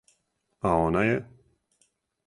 А она је?